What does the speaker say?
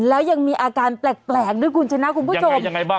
แล้วยังมีอาการแปลกด้วยกุญชนะคุณผู้ชม